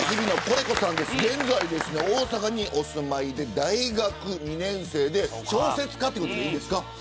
現在、大阪にお住まいで大学２年生で小説家ということでいいですか。